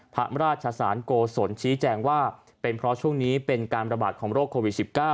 พระราชสารโกศลชี้แจงว่าเป็นเพราะช่วงนี้เป็นการประบาดของโรคโควิด๑๙